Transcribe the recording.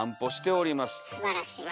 すばらしい。